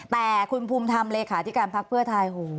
แต่คุณภูมิธรรมเลขาธิการพักเพื่อไทย